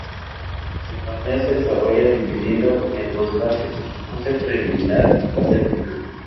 El torneo se desarrolla dividido en dos fases: fase preliminar y fase final.